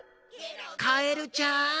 カエルちゃん。